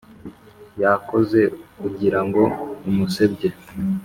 yakoze ugira ngo umusebye